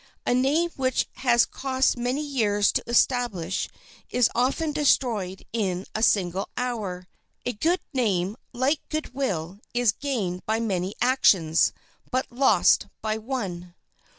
A name which it has cost many years to establish is often destroyed in a single hour. A good name, like good will, is gained by many actions, but lost by one.